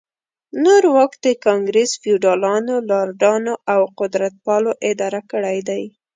نور واک د ګانګرس فیوډالانو، لارډانو او قدرتپالو اداره کړی دی.